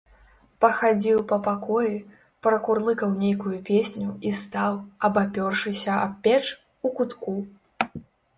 Пахадзіў па пакоі, пракурлыкаў нейкую песню і стаў, абапёршыся аб печ, у кутку.